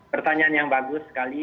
pertanyaan yang bagus sekali